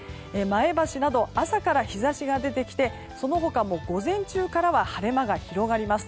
前橋など朝から日差しが出てきてその他も午前中からは晴れ間が広がります。